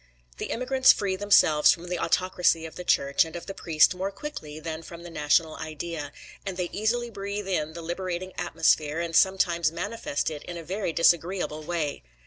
The immigrants free themselves from the autocracy of the Church and of the priest more quickly than from the national idea, and they easily breathe in the liberating atmosphere and sometimes manifest it in a very disagreeable way.